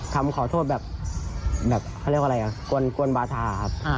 ทำขอโทษแบบกวนบาทาครับ